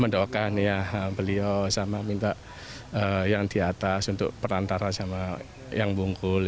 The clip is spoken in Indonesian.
mendoakan ya beliau sama minta yang di atas untuk perantara sama yang bungkul